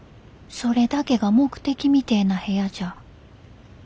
それだけが目的みてえな部屋じゃ。